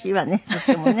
とってもね。